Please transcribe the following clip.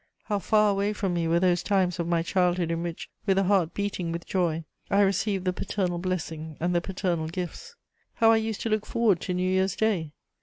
How far away from me were those times of my childhood in which, with a heart beating with joy, I received the paternal blessing and the paternal gifts! How I used to look forward to New Year's Day!